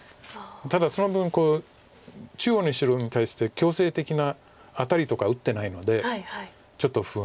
ただその分中央の白に対して強制的なアタリとか打ってないのでちょっと不安。